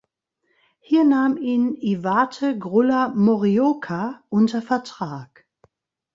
Hier nahm ihn Iwate Grulla Morioka unter Vertrag.